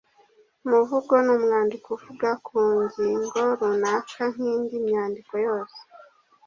Umuvugo ni umwandiko uvuga ku ngingo runaka nk’indi myandiko yose